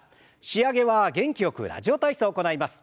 仕上げは元気よく「ラジオ体操」を行います。